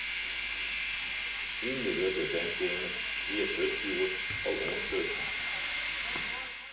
Yn de grutte wenkeamer wie it hurdfjoer al oanstutsen.